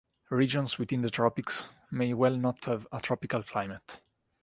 Regions within the tropics may well not have a tropical climate.